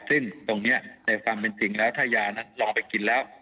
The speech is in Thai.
ซึ่งตรงนี้ในความเป็นจริงแล้วถ้ายานั้นลองไปกินแล้ว